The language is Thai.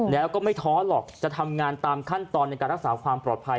แล้วก็ไม่ท้อหรอกจะทำงานตามขั้นตอนในการรักษาความปลอดภัย